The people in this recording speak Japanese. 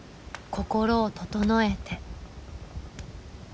心を整えて。